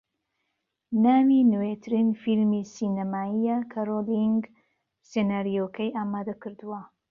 ناوی نوێترین فیلمی سینەماییە کە رۆلینگ سیناریۆکەی ئامادەکردووە